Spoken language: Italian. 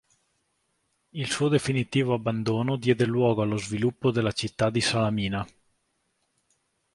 Il suo definitivo abbandono diede luogo allo sviluppo della città di Salamina.